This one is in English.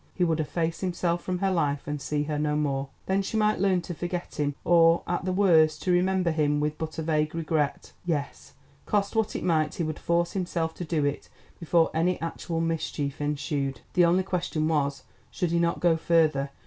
He would efface himself from her life and see her no more. Then she might learn to forget him, or, at the worst, to remember him with but a vague regret. Yes, cost what it might, he would force himself to do it before any actual mischief ensued. The only question was, should he not go further?